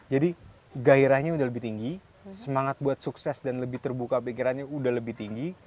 jadi gairahnya udah lebih tinggi semangat buat sukses dan lebih terbuka pikirannya udah lebih tinggi